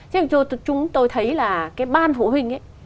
nhưng chúng tôi thấy là cái ban phụ huynh ấy